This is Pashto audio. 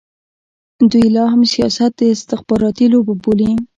دوی لا هم سیاست د استخباراتي لوبه بولي.